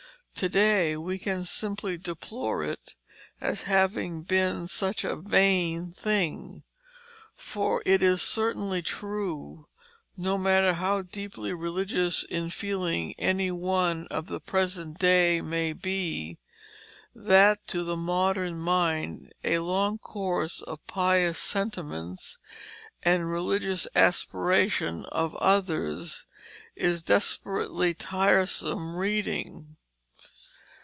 To day we can simply deplore it as having been such a vain thing; for it is certainly true, no matter how deeply religious in feeling any one of the present day may be, that to the modern mind a long course of the pious sentiments and religious aspirations of others is desperately tiresome reading.